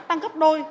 tăng gấp đôi